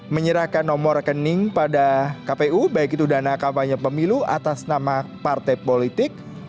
menyerahkan nomor rekening pada kpu baik itu dana kampanye pemilu atas nama partai politik